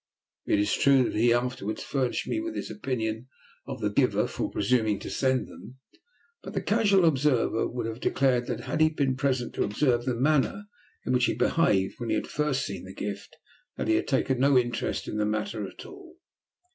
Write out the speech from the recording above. It is true that he afterwards furnished me with his opinion of the giver for presuming to send them, but the casual observer would have declared, had he been present to observe the manner in which he behaved when he had first seen the gift, that he had taken no interest in the matter at all.